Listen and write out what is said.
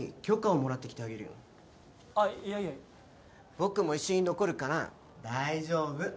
僕も一緒に残るから大丈夫！